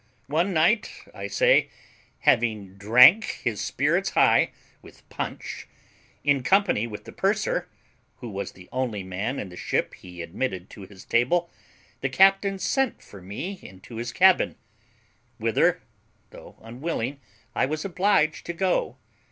One night I say, having drank his spirits high with punch, in company with the purser, who was the only man in the ship he admitted to his table, the captain sent for me into his cabin; whither, though unwilling, I was obliged to go.